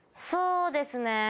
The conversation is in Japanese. そうですね